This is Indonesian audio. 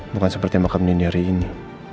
bukan seperti makam dini hari ini